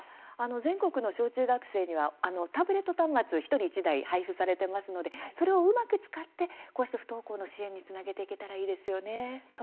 全国の小中学生にはタブレット端末が１人１台配布されていますのでそれをうまく使って不登校の支援につなげていけたらいいですね。